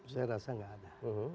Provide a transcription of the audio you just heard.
saya rasa enggak ada